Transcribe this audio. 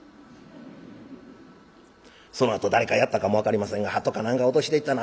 そのあと誰かやったかも分かりませんが「ハトが何か落としていったな」。